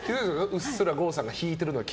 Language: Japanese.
うっすら郷さんが引いてるのは。